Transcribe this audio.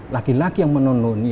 laki laki yang menelon